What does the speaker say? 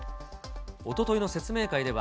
おとといの説明会では、